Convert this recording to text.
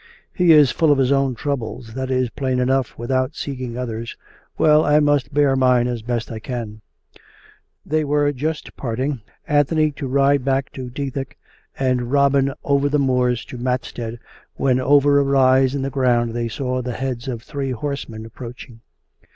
"He is full of his own troubles; that is plain enough, without seeking others. Well, I must bear mine as best I can." They were just parting — Anthony to ride back to Deth ick, and Robin over the moors to Matstead, when over a 34 COME RACK! COME ROPE! rise in the ground they saw tlie heads of three horsemen approaching.